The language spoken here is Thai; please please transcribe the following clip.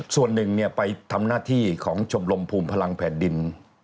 ส่วนหนึ่งไปทำหน้าที่ของชมรมภูมิพลังแผ่นดิน